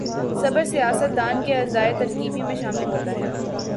صبر سیاست دان کے اجزائے ترکیبی میں شامل ہوتا ہے۔